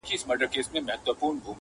له ناکامه د قسمت په انتظار سو؛